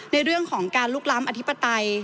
ในเรื่องของการลุกล้ำอธิปไตย